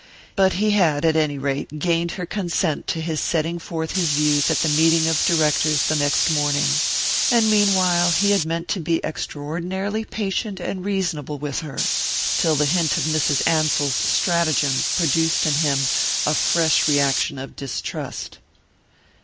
But he had, at any rate, gained her consent to his setting forth his views at the meeting of directors the next morning; and meanwhile he had meant to be extraordinarily patient and reasonable with her, till the hint of Mrs. Ansell's stratagem produced in him a fresh reaction of distrust.